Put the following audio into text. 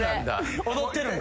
踊ってるんだ。